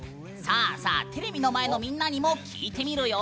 テレビの前のみんなにも聞いてみるよ。